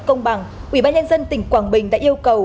công bằng ủy ban nhân dân tỉnh quảng bình đã yêu cầu